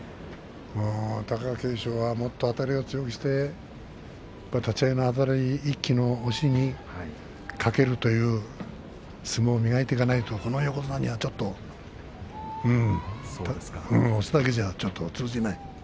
貴景勝はもっとあたりを強くして立ち合いのあたり一気の押しにかけるという相撲を磨いていかないとこの横綱にはちょっと押すだけじゃ、ちょっと通じない。